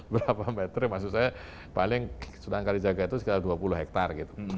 berapa meter maksud saya paling sundang kalijaga itu sekitar dua puluh hektar gitu